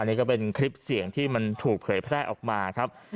นี่ก็เป็นคลิปเสียงที่มันถูกเผยแพร่ออกมาครับ